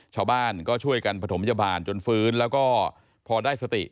ชาวบ้านก็ช่วยกันประถมพยาบาลจนฟื้นแล้วก็พอได้สติ